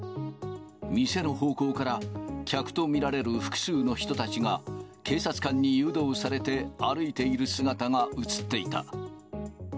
店の方向から客と見られる複数の人たちが、警察官に誘導されて歩いている姿が写っていた。